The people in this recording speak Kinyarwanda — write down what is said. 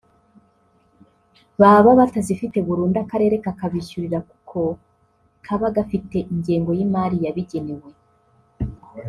baba batazifite burundu Akarere kakabishyurira kuko kaba gafite ingengo y’imari yabigenewe